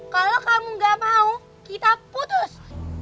kalau kamu gak mau kita putus